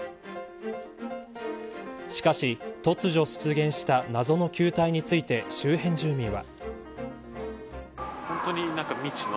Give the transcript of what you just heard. しかし突如出現した謎の球体について周辺住民は。